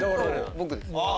僕です。